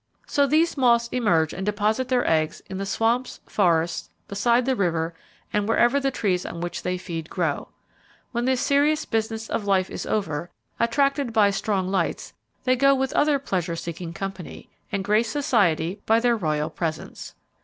So these moths emerge and deposit their eggs in the swamps, forests, beside the river and wherever the trees on which they feed grow. When the serious business of life is over, attracted by strong lights, they go with other pleasure seeking company, and grace society by their royal presence.